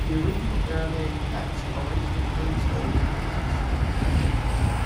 Its original Aramaic texts already contained stories of Jesus.